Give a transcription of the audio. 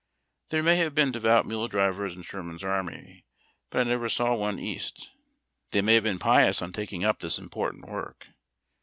There may have been devout mule drivers in Sherman's army, but I never saw one east. They may have been pious on taking up this impor tant work.